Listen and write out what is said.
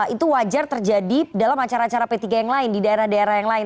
itu wajar terjadi dalam acara acara p tiga yang lain di daerah daerah yang lain